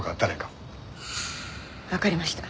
わかりました。